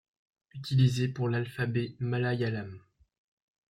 Utilisés pour l’alphabet malayalam.